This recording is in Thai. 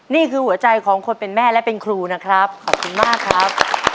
นี่คือหัวใจของคนเป็นแม่และเป็นครูนะครับขอบคุณมากครับ